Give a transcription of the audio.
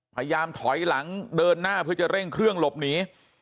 พยายามถอยหลังเดินหน้าเพื่อจะเร่งเครื่องหลบหนี